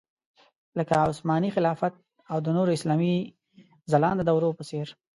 لکه عثماني خلافت او د نورو اسلامي ځلانده دورو په څېر.